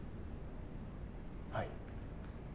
はい。